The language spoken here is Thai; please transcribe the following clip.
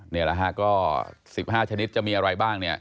นี่แหละฮะก็๑๕ชนิดจะมีอะไรบ้างเนี่ย